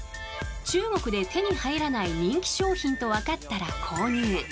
中国で手に入らない人気商品とわかったら購入。